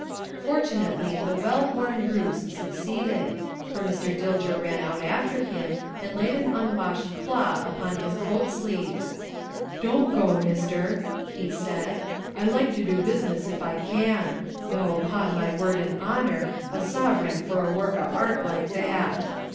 Fortunately the well worn ruse succeeded, for Mr. Dilger ran out after him and laid an unwashed claw upon his coat sleeve. "Don't go, mister," he said; "I like to do business if I can; though, 'pon my word and honour, a sovereign for a work o' art like that!